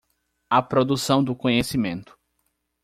A produção do conhecimento.